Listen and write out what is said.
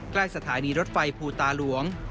สถานีรถไฟภูตาหลวง